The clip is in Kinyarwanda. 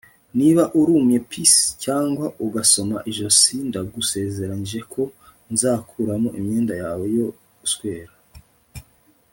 niba urumye pis cyangwa ugasoma ijosi, ndagusezeranyije ko nzakuramo imyenda yawe yo guswera